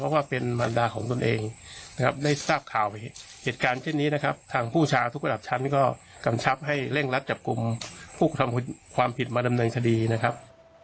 เพราะว่าเป็นบรรดาของตนเองนะครับได้ทราบข่าวเหตุการณ์เช่นนี้นะครับทางผู้ชาทุกระดับชั้นก็กำชับให้เร่งรัดจับกลุ่มผู้กระทำความผิดมาดำเนินคดีนะครับ